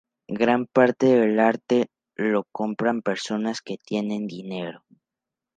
Gran parte del arte lo compran personas que tienen dinero.